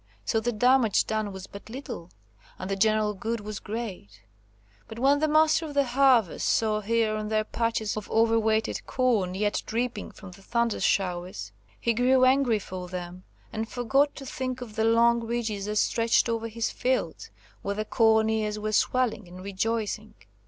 So the damage done was but little, and the general good was great. But when the Master of the Harvest saw here and there patches of over weighted corn yet dripping from the thundershowers, he grew angry for them, and forgot to think of the long ridges that stretched over his fields, where the corn ears were swelling and rejoicing.